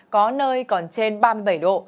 có nơi còn trên ba mươi bảy độ